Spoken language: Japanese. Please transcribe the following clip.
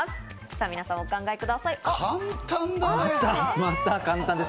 さあ、皆さんお考えください。